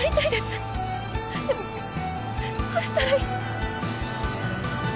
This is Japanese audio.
でもどうしたらいいのか。